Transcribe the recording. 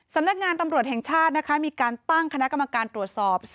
สำนักงานตำรวจแห่งชาติมีการตั้งคณะกรรมการตรวจสอบ